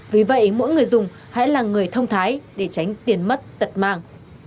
vì vậy mỗi người dùng hãy là người thông thái để tránh tiền mất tật mang